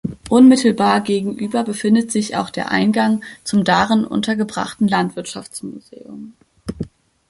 Unmittelbar gegenüber befindet sich auch der Eingang zum darin untergebrachten Landwirtschaftsmuseum.